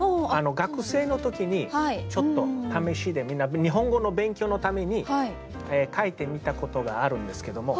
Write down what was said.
学生の時にちょっと試しで日本語の勉強のために書いてみたことがあるんですけども。